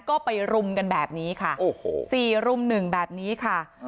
ก็ไปรุมกันแบบนี้ค่ะโอ้โห๔รุ่มหนึ่งแบบนี้ค่ะ